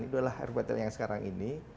itu adalah ruiptl yang sekarang ini